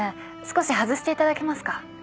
少し外していただけますか？